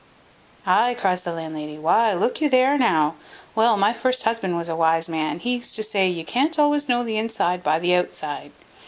"Ay!" cries the landlady; "why, look you there, now: well, my first husband was a wise man; he used to say, you can't always know the inside by the outside.